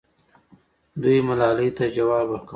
دوی ملالۍ ته ځواب ورکاوه.